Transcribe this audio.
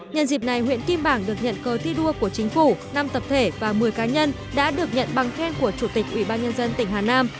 nhân dịp này huyện kim bảng được nhận cơ thi đua của chính phủ năm tập thể và một mươi cá nhân đã được nhận bằng khen của chủ tịch ubnd tỉnh hà nam